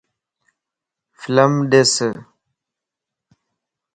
فلم ڏس